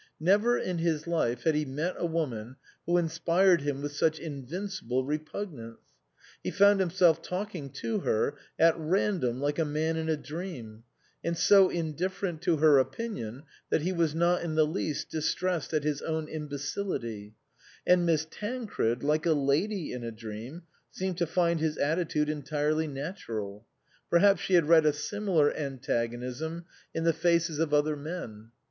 Never in his life had he met a woman who inspired him with such invin cible repugnance. He found himself talking to her at random like a man in a dream, and so in different to her opinion that he was not in the least distressed at his own imbecility ; and Miss Tancred, like a lady in a dream, seemed to find his attitude entirely natural ; perhaps she had read a similar antagonism in the faces of other 10 INLAND men.